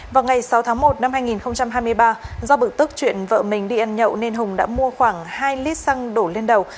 vào ngày sáu tháng một năm hai nghìn hai mươi ba do bực tức chuyển vợ mình đi ăn nhậu nên hùng đã mua khoảng hai lít xăng đổ lên đầu